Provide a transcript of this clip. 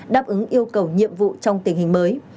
đáp ứng yêu cầu nhiệm vụ trong tình hình mới